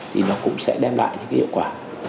thì nó cũng sẽ đem lại những cái hiệu quả